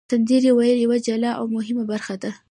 سندرې ویل یوه جلا او مهمه برخه ده.